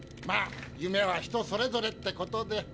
まあ夢は人それぞれってことで。